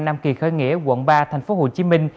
nam kỳ khơi nghĩa quận ba tp hcm